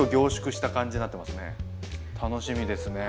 楽しみですね。